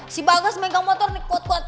si bagus megang motor nih kuat kuat